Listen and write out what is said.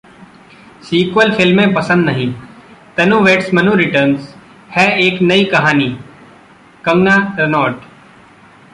sequel फिल्में पसंद नहीं, 'तनु वेड्स मनु रिटर्न्स' है एक नई कहानी: कंगना रनोट